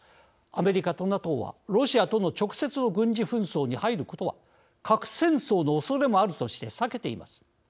アメリカとＮＡＴＯはロシアとの直接の軍事紛争に入ることは核戦争のおそれもあるとして避けています。